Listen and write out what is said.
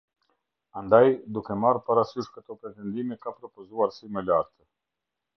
Andaj, duke marrë parasysh këto pretendime ka propozuar si më lartë.